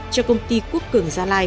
cho công ty quốc cường gia lạc